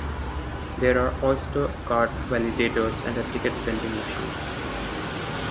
There are Oyster card validators and a ticket vending machine.